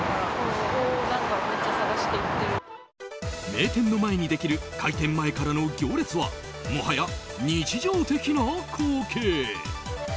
名店の前にできる開店前からの行列はもはや日常的な光景。